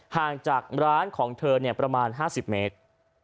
ห่างจากร้านของเธอประมาณ๕๐เมตร